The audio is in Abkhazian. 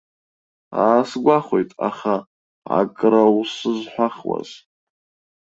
Аасгәахәит, аха акраусызҳәахуаз.